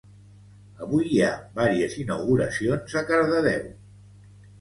Avui hi ha vàries inauguracions a Cardedeu